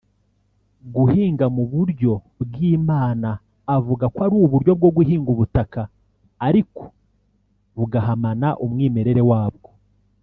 Guhinga mu buryo bw’Imana” avuga ko ari uburyo bwo guhinga ubutaka ariko bugahamana umwimerere wabwo